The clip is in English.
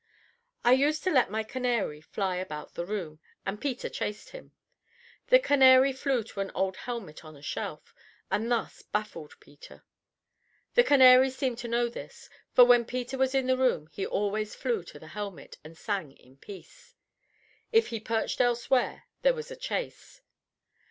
I used to let my canary fly about the room, and Peter chased him. The canary flew to an old helmet on a shelf, and thus baffled Peter. The canary seemed to know this, for when Peter was in the room he always flew to the helmet and sang in peace. If he perched elsewhere there was a chase.